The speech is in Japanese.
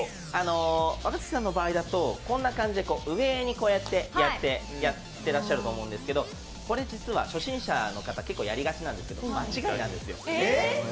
若槻さんの感じだとこんな感じで上にこうやってやってらっしゃると思うんですけどこれ実は初心者の方やりがちなんですけど、間違いなんですよ。